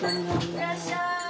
・いらっしゃい！